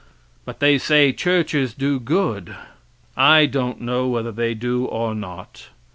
But they say churches do good. I don't know whether they do or not.